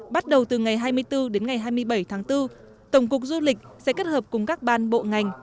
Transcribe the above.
bắt đầu từ ngày hai mươi bốn đến ngày hai mươi bảy tháng bốn tổng cục du lịch sẽ kết hợp cùng các ban bộ ngành